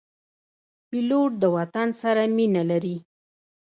پیلوټ د وطن سره مینه لري.